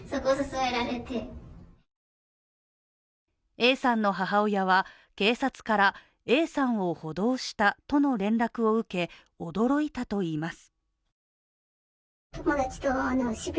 Ａさんの母親は、警察からＡさんを補導したとの連絡を受け驚いたといいます。